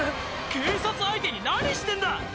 警察相手に何してんだ！